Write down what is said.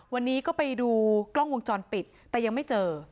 วันนี้ก็ไปดูกล้องวงจรปิดแต่ยังไม่เจอ